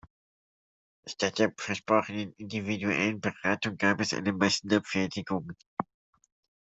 Statt der versprochenen individuellen Beratung gab es eine Massenabfertigung.